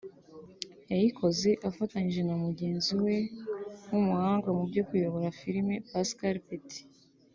yayikoze afatanyije na mugenzi we w’umuhanga mu byo kuyobora filime Pascal Petit